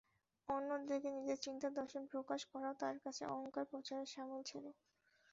অন্যদিকে নিজের চিন্তাদর্শন প্রকাশ করাও তাঁর কাছে অহংকার প্রচারের শামিল ছিল।